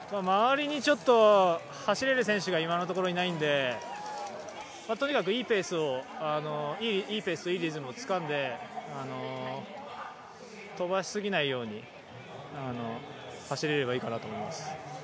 周りにちょっと走れる選手が今のところいないのでとにかく、いいペースといいリズムをつかんで飛ばしすぎないように走れればいいかなと思います。